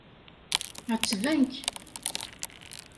Ɛettben-k.